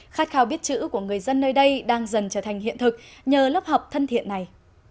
khát khao biết chữ của người dân nơi đây đang dần trở thành hiện thực nhờ lớp học thân thiện này